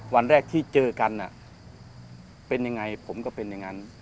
วันแรกที่เจอกันเป็นยังไงผมก็เป็นอย่างนั้น